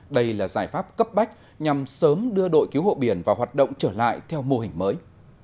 đây là giải pháp cấp bách nhằm sớm đưa đội cứu hộ biển vào hoạt động trở lại theo mô hình mới